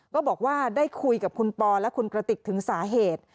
ก็บอกว่าได้คุยกับคุณปอและคุณกระติกถึงสาเหตุ